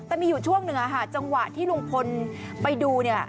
แต่มีอยู่ช่วงหนึ่งจังหวะที่ลุงพลไปดูเนี่ย